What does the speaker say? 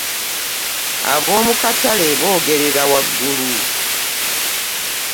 Ab'omu katale boogerera waggulu.